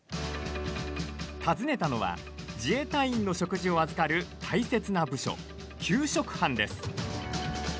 訪ねたのは、自衛隊員の食事を預かる大切な部署、給食班です。